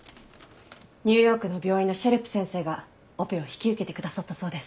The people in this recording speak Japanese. ニューヨークの病院のシェルプ先生がオペを引き受けてくださったそうです。